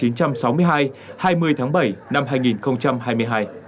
năm sáu mươi hai hai mươi tháng bảy năm hai nghìn hai mươi hai